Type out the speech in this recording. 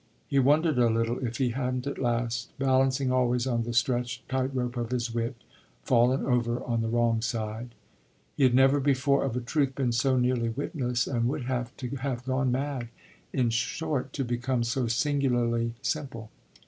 He wondered a little if he hadn't at last, balancing always on the stretched tight rope of his wit, fallen over on the wrong side. He had never before, of a truth, been so nearly witless, and would have to have gone mad in short to become so singularly simple.